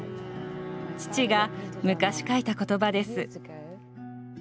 父が昔書いた言葉です。